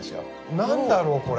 何だろうこれ。